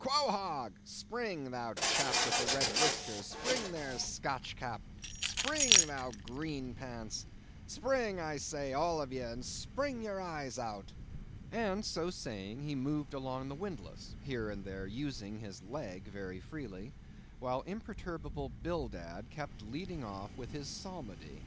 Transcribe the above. Quohog! spring, thou chap with the red whiskers; spring there, Scotch cap; spring, thou green pants. Spring, I say, all of ye, and spring your eyes out!" And so saying, he moved along the windlass, here and there using his leg very freely, while imperturbable Bildad kept leading off with his psalmody.